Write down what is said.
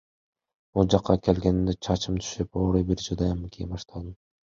Бул жакка келгенимде чачым түшүп, ооруп бир жылдай абдан кыйналдым.